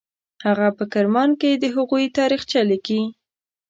هغه په کرمان کې د هغوی تاریخچه لیکي.